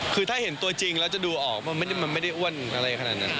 คือถ้าเห็นตัวจริงแล้วจะดูออกมันไม่ได้อ้วนอะไรขนาดนั้น